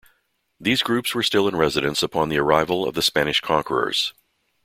These groups were still in residence upon the arrival of the Spanish conquerors.